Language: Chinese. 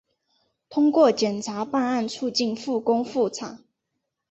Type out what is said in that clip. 通过检察办案促进复工复产